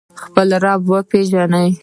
خپل رب وپیژنئ